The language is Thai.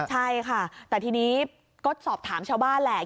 ใช่ค่ะแต่ทีนี้ก็สอบถามชาวบ้านแหละ